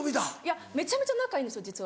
めちゃめちゃ仲いいんですよ実は。